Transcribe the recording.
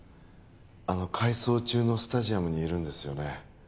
あの改装中のスタジアムにいるんですよね？